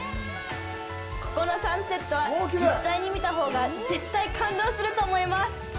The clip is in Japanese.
ここのサンセットは実際に見たほうが絶対感動すると思います。